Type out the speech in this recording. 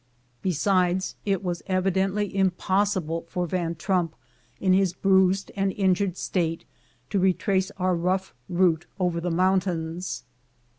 Besides, it was evidently impossible for Van Trump, in his bruised and injured state, to retrace our rough route over the mountains.